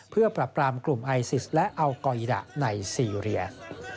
เพื่อปรับปรามกลุ่มไอซิสและอัลกอยดะในซีเรีย